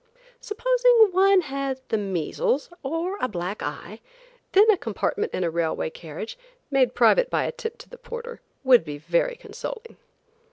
Supposing one had the measles or a black eye, then a compartment in a railway carriage, made private by a tip to the porter, would be very consoling.